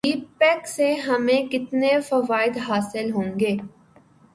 سی pack سے ہمیں کتنے فوائد حاصل ہوں گے